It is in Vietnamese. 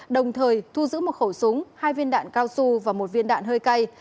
đồng thời thu giữ một khẩu súng hai viên đạn cao su và một viên đạn hơi cay